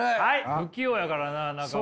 不器用やからな中岡君